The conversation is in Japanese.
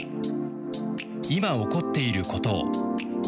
今、起こっていることを。